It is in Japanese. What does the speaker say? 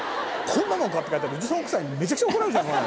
こんなの買って帰ったら、奥さんにめちゃくちゃ怒られちゃう。